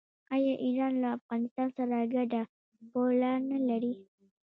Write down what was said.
آیا ایران له افغانستان سره ګډه پوله نلري؟